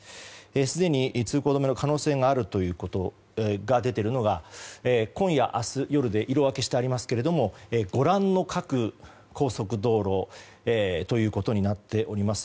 すでに通行止めの可能性があるということが出ているのが今夜、明日夜で色分けしてありますけれどもご覧の各高速道路ということになっております。